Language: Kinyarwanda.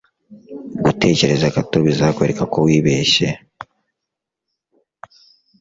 Gutekereza gato bizakwereka ko wibeshye